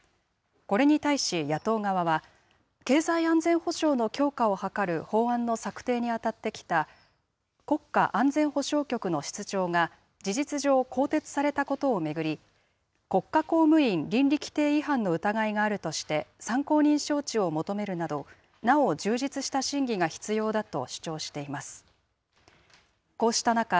これに対し、野党側は、経済安全保障の強化を図る法案の策定に当たってきた、国家安全保障局の室長が事実上更迭されたことを巡り、国家公務員倫理規程違反の疑いがあるとして、参考人招致を求めるなど、なお充実した審議が必要だと主張しています。